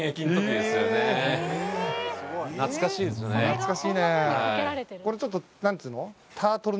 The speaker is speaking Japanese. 懐かしいねこれちょっと何ていうの？